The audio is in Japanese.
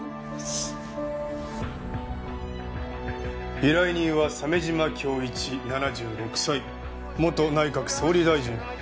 シーッ！依頼人は鮫島匡一７６歳元内閣総理大臣。